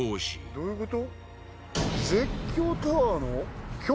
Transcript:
どういうこと？